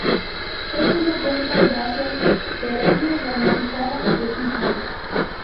Es una planta herbácea perenne, ramificada, epifita.